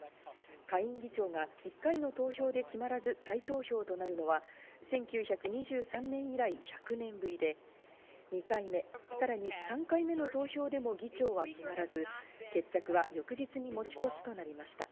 下院議長が１回の投票で決まらず再投票となるのは１９２３年以来１００年ぶりで、２回目、さらに３回目の投票でも議長は決まらず決着は翌日に持ち越しとなりました。